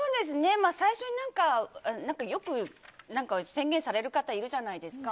最初によく宣言される方いるじゃないですか。